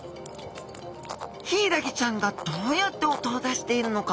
ヒイラギちゃんがどうやって音を出しているのか？